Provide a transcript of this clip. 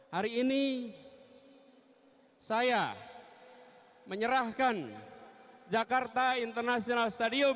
hari ini saya menyerahkan jakarta international stadium